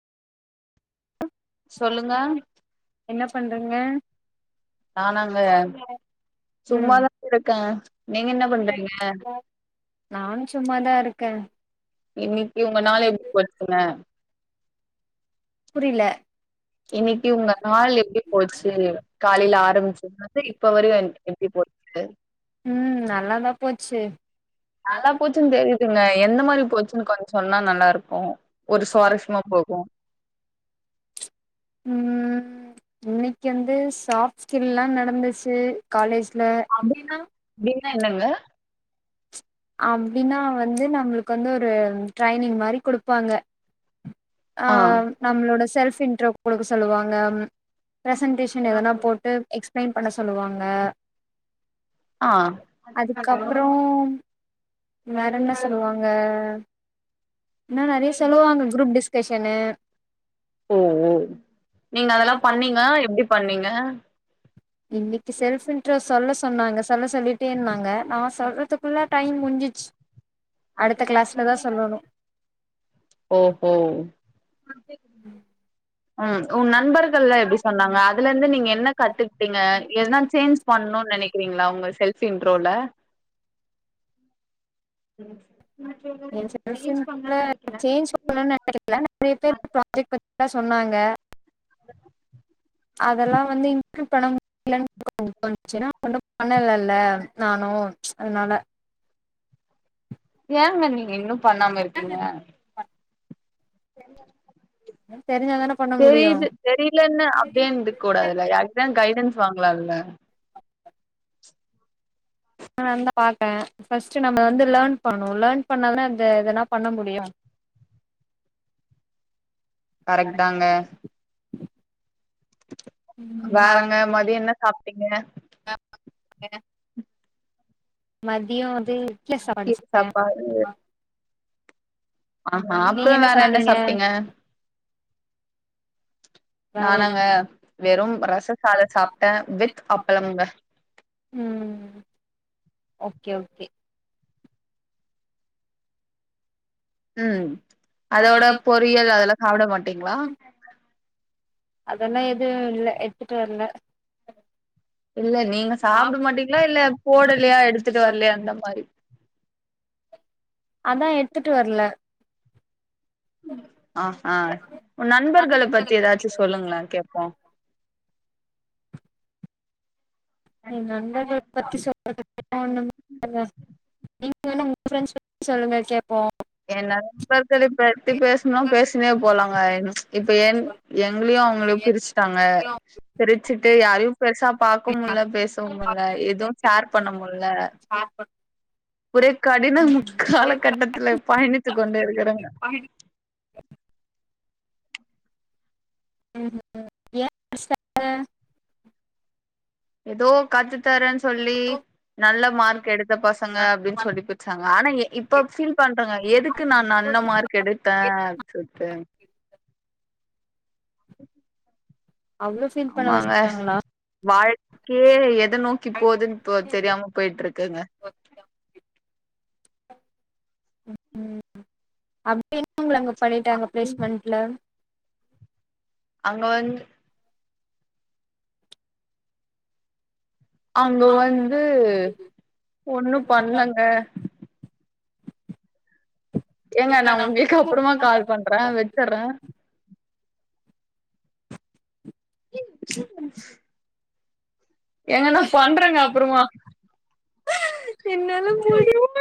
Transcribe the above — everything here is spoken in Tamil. சொல்லுங்க என்ன பண்றிங்க நானாங்க ம் சும்மாதாங்க இருக்க நீங்க என்ன பண்றீங்க நானு சும் இன்னிக்கு உங்க நாள் எப்டி போச்சிங்க புரில இன்னிக்கு உங்க நாள் எப்டி போர்ச்சு காலைல ஆரம்பிச்சதுலந்து இப்ப வரயு என் எப்டி போச்சு ம் நல்லாதா போச்சு நல்லா போச்சுன்னு தெரியுதுங்க எந்த மாரி போச்சுன்னு கொஞ் சொன்னா நல்லாருக்கு ஒரு சுவாரஸ்யமா போகு ம், இன்னைக்கி வந்து சாஃப்ட் ஸ்கில்லா நடந்துச்சு காலேஜ்ல அப்டி இப்டின்னு என்னங்க அப்டினா வந்து நம்ளுக்கு வந்து ஒரு ட்ரைனிங் மாரி குடுப்பாங்க. ஆ, நம்ளோட செல்ஃப் இன்ட்ரோ குடுக்க சொல்லுவாங்க ப்ரசென்டேஷன் எதனா போட்டு எக்ஸ்பிளைன் பண்ண சொல்லுவாங்க, ஆ அதுக்கப்றோ வேற என்ன சொல்லுவாங்க, இன்னு நெறைய சொல்லுவாங்க குரூப் டிஸ்கஷனு ஓ, ஓ நீங்க அதெல்லா பண்ணீங்க எப்டி பண்ணீங்க? இன்னிக்கி செல்ஃப் இன்ட்ரோ சொல்ல சொன்னாங்க, சொல்ல சொல்லிட்டேருந்தாங்க நா சொல்றதுக் குள்ள டைம் முடிஞ்சிச்சு அடுத்த கிளாஸ்லதா சொல்லணு ஓஹோ ம் ம், உன் நண்பர்கள்லா எப்டி சொன்னாங்க, அதுல இருந்து நீங்க என்ன கத்துக்கிட்டீங்க எதுனா சேஞ்ச் பண்ணுன்னு நெனைக்கிறீங்ளா உங்க செல்ஃப் இன்ட்ரோல ம் ஏ செல்ஃப் இன்ட்ரோல சேஞ்ச் பண்ணுனு நெனைக்கல, நெறைய பேர் ப்ராஜெக்ட் பத்திதா சொன்னாங்க, அதெல்லா வந்து இன்க்லூட் பண்ண மு டிலன்னு கொஞ்சோ தோணுச்சு என்னா ஒண்ணு பண்ணலல்ல நானு, அதனால ஏங்க நீங்க இன்னு பண்ணாம இருக்கீங்க ஃப்ரண்டா நமக் தெரிஞ்சாதான பண்ண முடியு தெரீது தெரீலன்னு அப்டியே இருந்துக்கூடாதுல யார்கிட்டயாது கைடன்ஸ் வாங்கலால்ல பண்ணலானுதா பாத்த ஃபஸ்ட்டு நம்ம வந்து லேர்ன் பண்ணணு லேர்ன் பண்ணாதான அந்த எதனா பண்ண முடியு. கரெக்ட்தாங்க வேறங்க மதியொ என்ன சாப்ட்டீங்க என்ன சாப்டிங்க மதியோ வந்து இட்லி சாப்பாடு கீர சாப்ட சாப்பாடு ஆஹ அப்றோ வேற என்ன சாப்ட்டீங்க? வேற நானாங்க வெறு ரச சாத சாப்ட வித் அப்பளம்ங்க ம் ஓகே ஓகே ம் அதோட பொரியல் அதெல்லா சாப்ட மாட்டீங்ளா அதெல்லா எதுவு இல்ல எடுத்துட்டு வர்ல இல்ல நீங்க சாப்ட மாட்டீங்ளா இல்ல போடலயா எடுத்துட்டு வர்லயா அந்த மாரி அதா எடுத்துட்டு வரல ம், ஆஹ உ நண்பர்கள பத்தி ஏதாச்சு சொல்லுங்களே கேப்போ எ நண்பர்கள பத்தி சொல்றதுக்குலா ஒண்ணுமே இல்ல நீங்க வேணா உங்க ஃப்ரெண்ட்ஸ் பத்தி சொல்லுங்க கேப்போ ஏ நண்பர்களப் பத்தி பேசுனோ பேசினே போலாங்க இப்ப என் எங்களையு அவங்களையு பிரிச்சுட்டாங்க பிரிச்சுட்டு யாரையு பெருசா பாக்கவு முடில பேச முடில எதுவு ஷேர் பண்ண முடில பாக்க ஒரே கடினம் காலகட்டத்துல பயணித்து கொண்டிருக்கறங்க ம் ம் ஏதோ கத்து தரேன் சொல்லி நல்ல மார்க் எடுத்த பசங்க அப்டின் சொல்லி பிருச்சாங்க. ஆனா இப்ப ஃபீல் பண்றங்க எதுக்கு நா நல்ல மார்க் எடுத்தே சொல்ட்டு அவ்ளோ ஃபீல் பண்ண ஆமாங்க வச்சுட்டாங்களா வாழ்க்கேயே எத நோக்கி போதுன் இப்போ தெரியாம போய்ட்ருக்குங்க ம் அப்டி என்ன உங்கள அங்க பண்ணிட்டாங்க பிளேஸ்மண்ட்ல அங்கவந்து அங்க வந்து ஒண்ணும் பண்ணல ஏங்க நா உங்குள்க்கு அப்பறமா கால் பண்ற வச்சிரே [inaudible] எங்கன்னா பண்றேங்க அப்புறமா பின்ன